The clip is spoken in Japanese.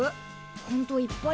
ほんといっぱい